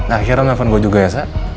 akhirnya nelfon gue juga ya